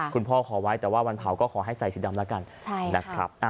คุณพ่อขอไว้แต่ว่าวันเผาก็ขอให้ใส่สีดำแล้วกัน